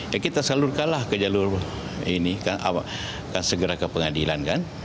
ya kita salurkanlah ke jalur ini kan segera ke pengadilan kan